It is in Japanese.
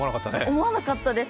思わなかったです。